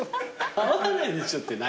会わないでしょって何？